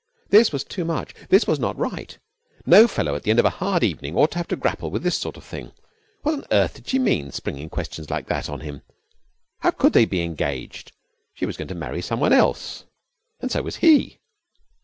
This was too much. This was not right. No fellow at the end of a hard evening ought to have to grapple with this sort of thing. What on earth did she mean, springing questions like that on him? How could they be engaged? She was going to marry someone else, and so was he.